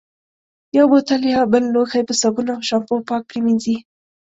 یو بوتل یا بل لوښی په صابون او شامپو پاک پرېمنځي.